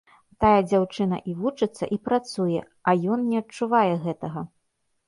Тая дзяўчынка і вучыцца, і працуе, а ён не адчувае гэтага.